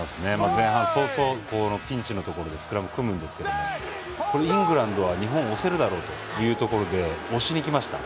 前半、早々ピンチのところでスクラム組むんですけどイングランドは日本を押せるだろうというところで押しにきました。